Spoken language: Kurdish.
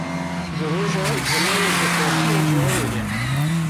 Di Roja Zimanê Zikmakî ya Cihanê De